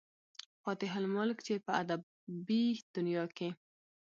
فاتح الملک، چې پۀ ادبي دنيا کښې